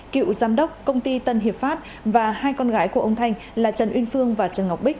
cựu giám đốc công ty tân hiệp pháp và hai con gái của ông thanh là trần uyên phương và trần ngọc bích